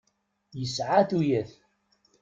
Yesɛa tuyat.